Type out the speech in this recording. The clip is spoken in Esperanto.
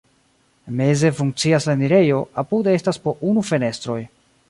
Meze funkcias la enirejo, apude estas po unu fenestroj.